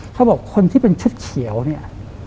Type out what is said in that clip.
เขาบอกคนที่เป็นชุดเขียวเนี่ย